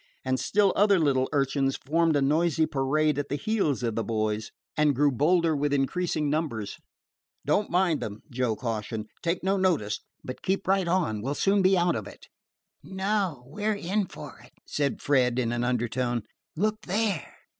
And still other little urchins formed a noisy parade at the heels of the boys, and grew bolder with increasing numbers. "Don't mind them," Joe cautioned. "Take no notice, but keep right on. We 'll soon be out of it." "No; we 're in for it," said Fred, in an undertone. "Look there!"